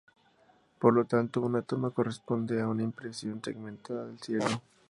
Por lo tanto una toma corresponde a una impresión segmentada del cielo.